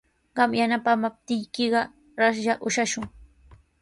Qam yanapaamaptiykiqa raslla ushashun.